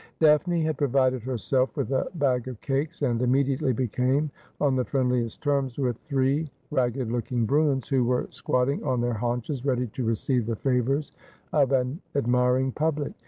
Daphne had provided herself with a bag of cakes, and im mediately became on the friendliest terms with three ragged looking Bruins who were squatting on their haunches, ready to receive the favours of an admiring public.